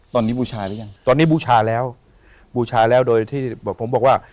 ตอนนี้บูชาหรือยังตอนนี้บูชาแล้วบูชาแล้วโดยที่ผมบอกว่า